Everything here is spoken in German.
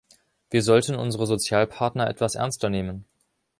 Wir sollten unsere Sozialpartner etwas ernster nehmen.